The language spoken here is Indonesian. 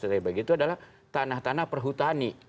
strategi itu adalah tanah tanah perhutani